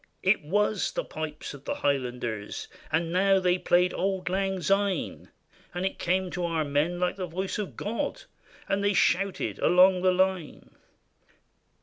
It was the pipes of the Highlanders ! And now they played " Auld Lang Syne." It came to our men like the voice of God, And they shouted along the line.